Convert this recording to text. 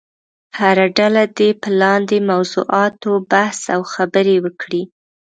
هره ډله دې په لاندې موضوعاتو بحث او خبرې وکړي.